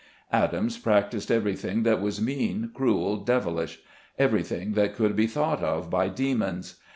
Adams practised everything that was mean, cruel, devilish, everything that could be thought of by demons.